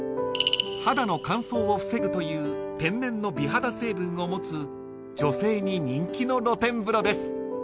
［肌の乾燥を防ぐという天然の美肌成分を持つ女性に人気の露天風呂です］